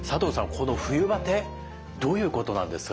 この冬バテどういうことなんですか？